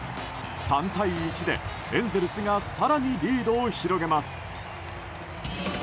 ３対１でエンゼルスが更にリードを広げます。